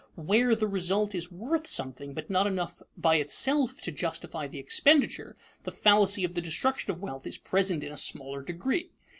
Where the result is worth something, but not enough by itself to justify the expenditure, the fallacy of the destruction of wealth is present in a smaller degree.